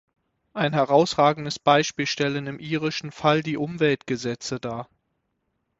Ein herausragendes Beispiel stellen im irischen Fall die Umweltgesetze dar.